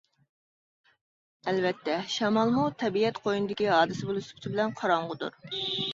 ئەلۋەتتە، شامالمۇ تەبىئەت قوينىدىكى ھادىسە بولۇش سۈپىتى بىلەن قاراڭغۇدۇر.